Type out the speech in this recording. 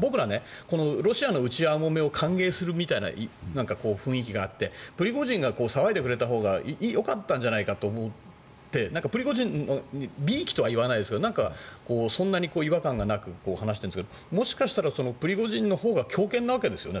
僕ら、ロシアの内輪もめを歓迎するみたいな雰囲気があってプリゴジンが騒いでくれたほうがよかったんじゃないかと思ってプリゴジンびいきとはいいませんがそんなに違和感なく話してるんですけどもしかしたらプリゴジンのほうが強権なわけですよね